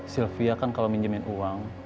sylvia kan kalau minjemin uang